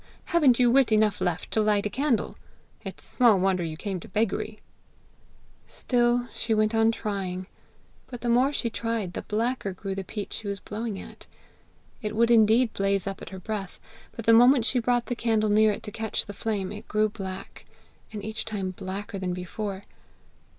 haven't you wit enough left to light a candle? It's small wonder you came to beggary!' Still she went on trying, but the more she tried, the blacker grew the peat she was blowing at. It would indeed blaze up at her breath, but the moment she brought the candle near it to catch the flame, it grew black, and each time blacker than before.